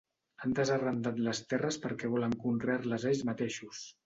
Han desarrendat les terres perquè volen conrear-les ells mateixos.